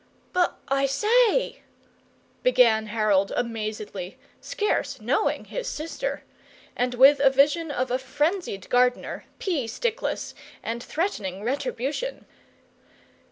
"But I say, " began Harold, amazedly, scarce knowing his sister, and with a vision of a frenzied gardener, pea stickless and threatening retribution.